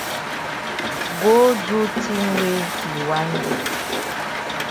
Go do tin wey you wan do.